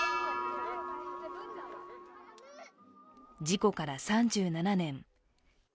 事故から３７年。